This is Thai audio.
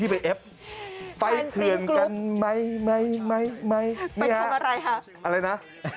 ด้วยแบบไปทำอะไรค่ะอะไรนะ